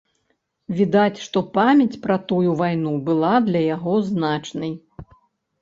Відаць, што памяць пра тую вайну была для яго значнай.